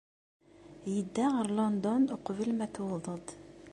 Yedda ɣer London uqbel ma tuwḍeḍ-d.